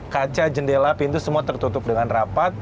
kaca jendela pintu semua tertutup dengan rapat